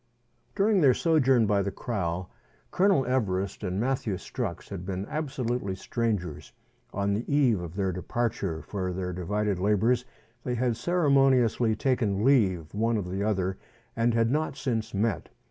During their sojourn by the kraal, Colonel Everest and Matthew Strux had been absolutely strangers. On the eve of their departure for their divided labours, they had ceremoniously taken leave one of the other, and had not since met.